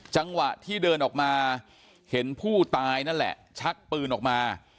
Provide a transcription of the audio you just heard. จังหวะที่เดินออกมาเห็นผู้ตายนั่นแหละชักปืนออกมา